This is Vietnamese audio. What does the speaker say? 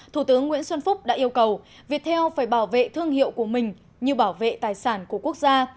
thủ tướng nguyễn xuân phúc đã yêu cầu viettel phải bảo vệ thương hiệu của mình như bảo vệ tài sản của quốc gia